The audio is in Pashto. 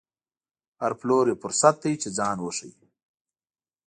هر پلور یو فرصت دی چې ځان وښيي.